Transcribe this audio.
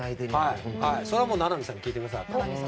それはもう名波さんに聞いてください。